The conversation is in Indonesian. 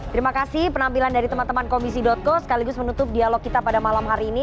terima kasih penampilan dari teman teman komisi co sekaligus menutup dialog kita pada malam hari ini